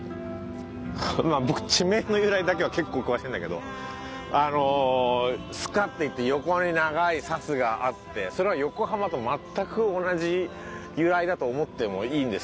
まあ僕地名の由来だけは結構詳しいんだけどあの「須賀」っていって横に長い砂州があってそれは横浜と全く同じ由来だと思ってもいいんです。